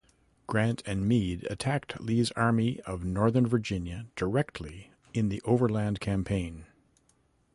Grant and Meade attacked Lee's Army of Northern Virginia directly in the Overland Campaign.